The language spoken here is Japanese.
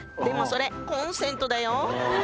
それコンセントだよ